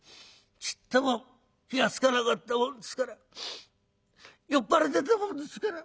ちっとも気が付かなかったもんですから酔っ払ってたものですから。